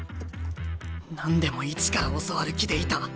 何でも一から教わる気でいた。